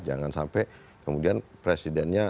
jangan sampai kemudian presidennya